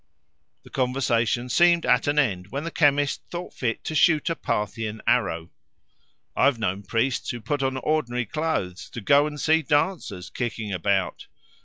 The conversation seemed at an end when the chemist thought fit to shoot a Parthian arrow. "I've known priests who put on ordinary clothes to go and see dancers kicking about."